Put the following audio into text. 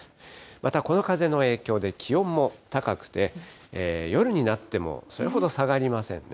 また、この風の影響で気温も高くて、夜になってもそれほど下がりませんね。